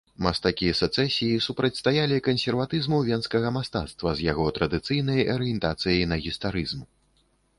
Мастакі сэцэсіі супрацьстаялі кансерватызму венскага мастацтва з яго традыцыйнай арыентацыяй на гістарызм.